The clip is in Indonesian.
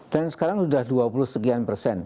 dan sekarang sudah dua puluh sekian persen